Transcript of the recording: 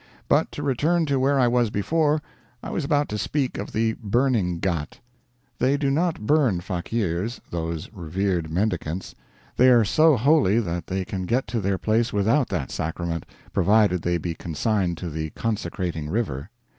But to return to where I was before; I was about to speak of the burning ghat. They do not burn fakeers those revered mendicants. They are so holy that they can get to their place without that sacrament, provided they be consigned to the consecrating river.